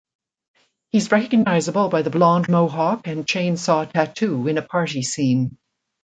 He's recognizable by the blonde mohawk and chainsaw tattoo in a party scene.